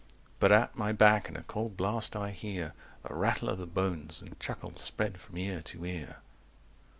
But at my back in a cold blast I hear 185 The rattle of the bones, and chuckle spread from ear to ear.